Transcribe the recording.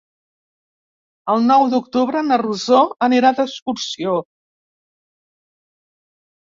El nou d'octubre na Rosó anirà d'excursió.